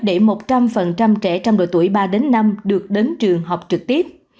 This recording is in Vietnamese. để một trăm linh trẻ trong đội tuổi ba năm được đến trường học trực tiếp